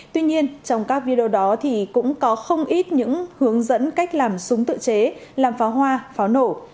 tuy nhiên trong các video đó thì cũng có không ít những hướng dẫn cách làm súng tự chế làm pháo hoa pháo nổ